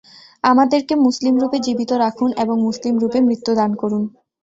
আমাদেরকে মুসলিমরূপে জীবিত রাখুন এবং মুসলিমরূপে মৃত্যু দান করুন।